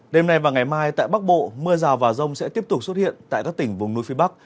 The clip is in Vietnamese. đêm nay và ngày mai tại bắc bộ mưa rào và rông sẽ tiếp tục xuất hiện tại các tỉnh vùng núi phía bắc